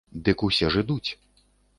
Дык усе ж ідуць.